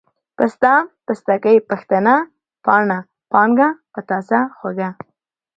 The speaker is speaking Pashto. پسته ، پستکۍ ، پښتنه ، پاڼه ، پانگه ، پتاسه، خوږه،